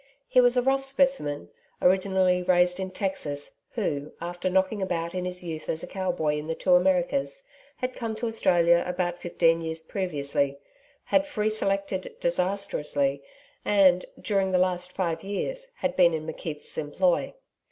He was a rough specimen, originally raised in Texas, who, after knocking about in his youth as a cow boy in the two Americas, had come to Australia about fifteen years previously, had 'free selected' disastrously, and, during the last five years, had been in McKeith's employ.